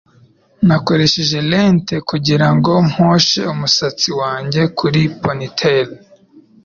Nakoresheje lente kugirango mposhe umusatsi wanjye kuri ponytail.